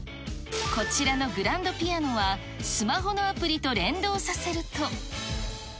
こちらのグランドピアノは、スマホのアプリと連動させると。